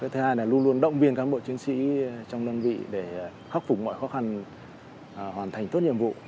thứ hai là luôn luôn động viên cán bộ chiến sĩ trong đơn vị để khắc phục mọi khó khăn hoàn thành tốt nhiệm vụ